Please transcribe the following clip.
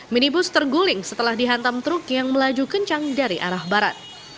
minibus terguling setelah dihantam truk yang melaju kencang dari arah barat